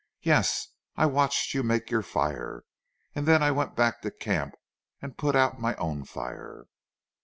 "Yes! I watched you make your fire, and then I went back to camp, and put out my own fire."